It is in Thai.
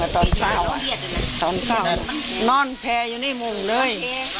ตอนเศรษฐ์นอนแพลอยู่เนี้ยรันหมุ่งเลย